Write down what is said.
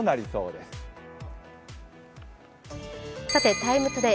「ＴＩＭＥ，ＴＯＤＡＹ」